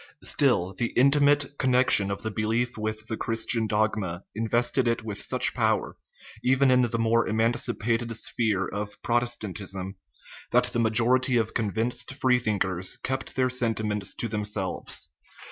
Still, the intimate connection of the belief with the Chris tian dogma invested it with such power, even in the more emancipated sphere of Protestantism, that the majority of convinced free thinkers kept their senti ments to themselves.